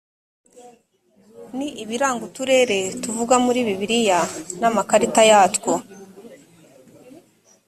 n ibiranga uturere tuvugwa muri bibiliya n amakarita yatwo